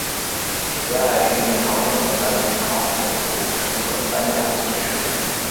徐爱于明朝正德三年考中戊辰科三甲进士。